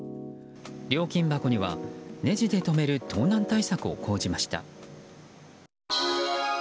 料金箱にはねじで止める盗難対策を講じました。